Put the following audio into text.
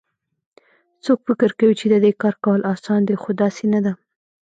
څوک فکر کوي چې د دې کار کول اسان دي خو داسي نه ده